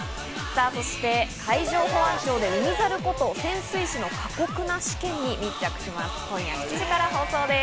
そして海上保安庁で海猿こと潜水士の過酷な試験に密着します。